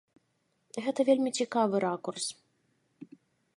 Гэта вельмі цікавы ракурс.